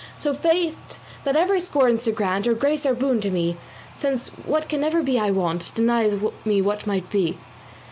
So Fate that ever scorns to grant Or grace or boon to me, Since what can never be I want, Denies me what might be.